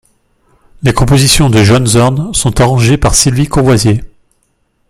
Les compositions de John Zorn sont arrangées par Sylvie Courvoisier.